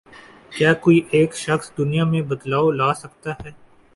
کیا کوئی ایک شخص دنیا میں کوئی بدلاؤ لا سکتا ہے؟